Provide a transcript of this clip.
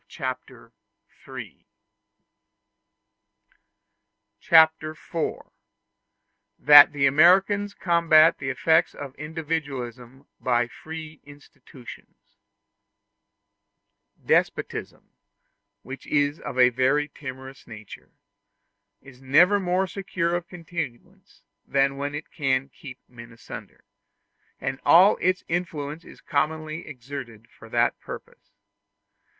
Chapter IV: That The Americans Combat The Effects Of Individualism By Free Institutions Despotism, which is of a very timorous nature, is never more secure of continuance than when it can keep men asunder; and all is influence is commonly exerted for that purpose.